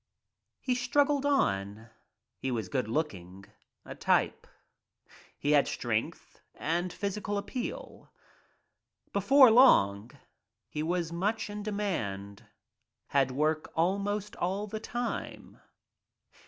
He struggled on. He was good looking — a type. He had strength and physical appeal. Before long he was much in demand — had work almost all the time.